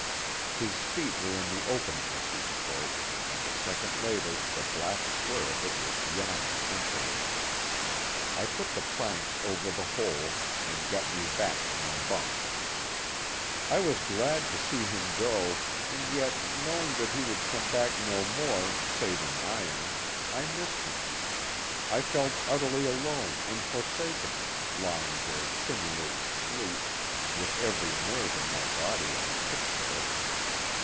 His feet were in the opening as he spoke, and a second later the black square of it was yawning emptily. I put the planks over the hole, and got me back to my bunk. I was glad to see him go, and yet, knowing that he would come back no more save in irons, I missed him. I felt utterly alone and forsaken, lying there simulating sleep—with every nerve in my body on tip toe.